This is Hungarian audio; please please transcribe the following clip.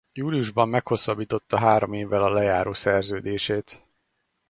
Júliusban meghosszabbította három évvel a lejáró szerződését.